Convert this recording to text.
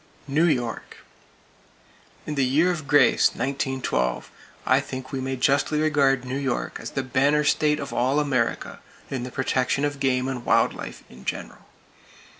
New York: In the year of grace, 1912, I think we may justly regard New York as the banner state of all America in the protection of game and wild life in general.